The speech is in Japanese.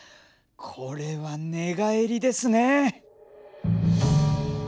これは寝返りですね！